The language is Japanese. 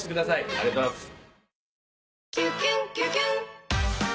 ありがとうございます。